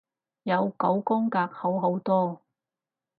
有九宮格好好多